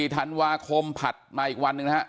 ๒๔ธันวาคมผัดมาอีกวันนึงนะครับ